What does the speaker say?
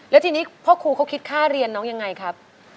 แล้วทีนี้พ่อครูเขาคิดค่าเรียนน้องยังไงครับ